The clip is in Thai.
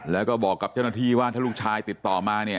แล้วก็บอกกับเจ้าหน้าที่ว่าถ้าลูกชายติดต่อมาเนี่ย